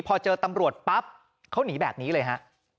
พอเจอตำรวจปั๊บเขาหนีแบบนี้เลยฮะ